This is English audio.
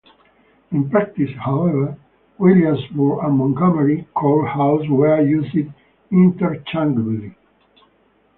In practice, however, Williamsburg and Montgomery Court House were used interchangeably.